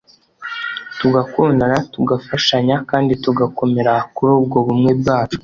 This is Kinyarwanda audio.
tugakundana, tugafashanya kandi tugakomera kuri ubwo bumwe bwacu